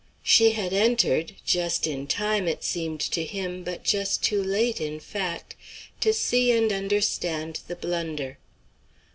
She had entered just in time, it seemed to him, but just too late, in fact, to see and understand the blunder.